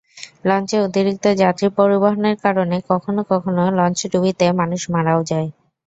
লঞ্চে অতিরিক্ত যাত্রী পরিবহনের কারণে কখনো কখনো লঞ্চডুবিতে মানুষ মারাও যায়।